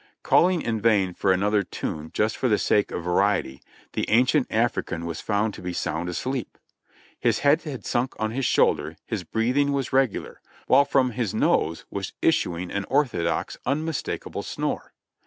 Calling in vain for another tune just for the sake of variety, the ancient African was found to be sound asleep. His head had sunk on his shoulder, his breathing was regular, while from his nose was issuing an orthodox, unmistakable snore.